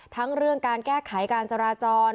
ทั้งเรื่องการแก้ไขการจราจร